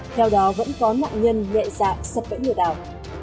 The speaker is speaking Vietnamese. theo đó vẫn có mạng nhân nhẹ dạng sập bẫy lừa đảo